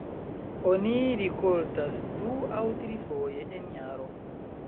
Oni rikoltas du aŭ trifoje en jaro.